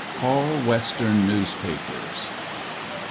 FAR WESTERN NEWSPAPERS.